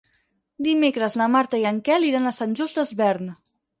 Dimecres na Marta i en Quel iran a Sant Just Desvern.